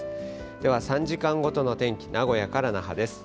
では、３時間ごとの天気、名古屋から那覇です。